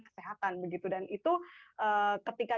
kesehatan begitu dan itu ketika